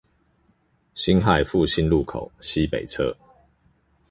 辛亥復興路口西北側